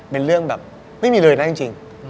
เป็นเรื่องแบบไม่มีเลยนะจริง